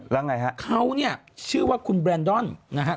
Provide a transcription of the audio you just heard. แล้วไงฮะเขาเนี่ยชื่อว่าคุณแบรนดอนนะครับ